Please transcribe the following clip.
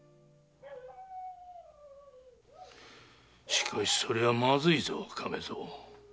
しかしそれはまずいぞ亀蔵。